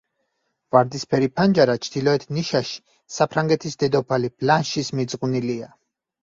ვარდისფერი ფანჯარა ჩრდილოეთ ნიშაში საფრანგეთის დედოფალი ბლანშის მიძღვნილია.